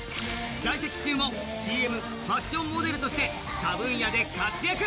在籍中もＣＭ、ファッションモデルとして他分野で活躍。